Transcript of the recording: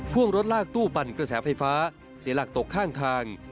วงรถลากตู้ปั่นกระแสไฟฟ้าเสียหลักตกข้างทาง